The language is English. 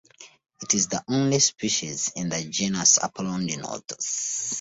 It is the only species in the genus Aplodinotus.